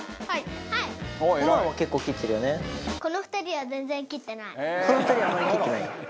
この２人はあんまり切ってない？